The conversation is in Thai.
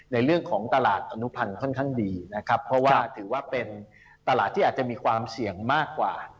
ในเรื่องของตลาดอนุพันธ์ค่อนข้างดีนะครับเพราะว่าถือว่าเป็นตลาดที่อาจจะมีความเสี่ยงมากกว่า